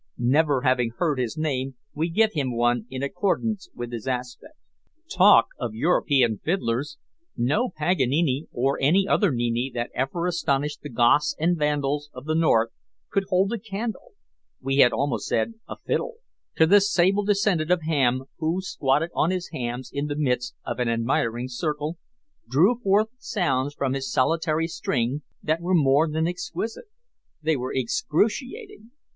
Never having heard his name, we give him one in accordance with his aspect. Talk of European fiddlers! No Paganini, or any other nini that ever astonished the Goths and Vandals of the north, could hold a candle we had almost said a fiddle to this sable descendant of Ham, who, squatted on his hams in the midst of an admiring circle, drew forth sounds from his solitary string that were more than exquisite, they were excruciating.